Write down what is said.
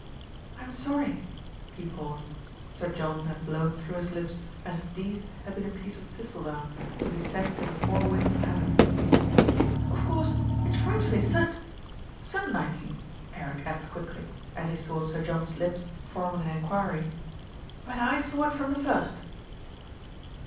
"I'm sorry " He paused. Sir John had blown through his lips, as if "dece" had been a piece of thistle down to be sent to the four winds of heaven. "Of course it's frightfully sud sudden, I mean," MR. GADGETT TELLS THE TRUTH 331 Eric added quickly, as he saw Sir John's lips forming an enquiry; "but I saw it from the first."